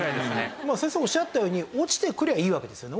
先生おっしゃったように落ちてくりゃいいわけですよね。